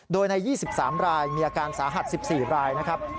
โดยใน๒๓รายมีอาการสาหัส๑๔รายนะครับ